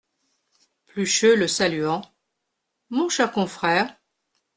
Plucheux , le saluant. — Mon cher confrère !